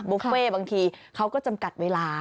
บุฟเฟ่บางทีเขาก็จำกัดเวลา